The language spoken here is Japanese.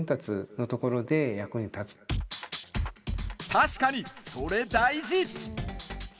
確かに、それ大事。